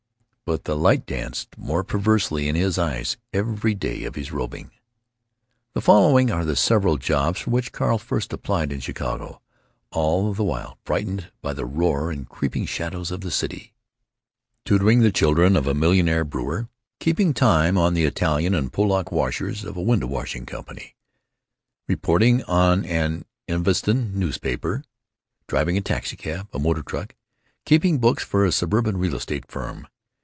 But the light danced more perversely in his eyes every day of his roving. The following are the several jobs for which Carl first applied in Chicago, all the while frightened by the roar and creeping shadows of the city: Tutoring the children of a millionaire brewer; keeping time on the Italian and Polack washers of a window cleaning company; reporting on an Evanston newspaper; driving a taxicab, a motor truck; keeping books for a suburban real estate firm.